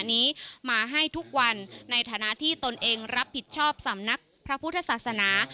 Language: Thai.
ในฐานะที่ตนเองรับผิดชอบสำนักพระพุทธศาสนา